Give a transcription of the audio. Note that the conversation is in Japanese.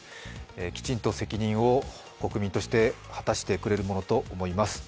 きちんと責任を国民として果たしてくれるものと思います。